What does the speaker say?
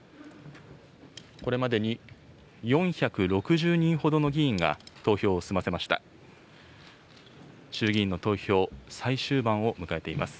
これまでに４６０人ほどの議員が投票を済ませました。